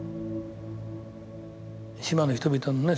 島の人々のね